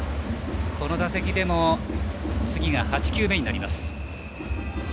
この打席でも次が８球目になります。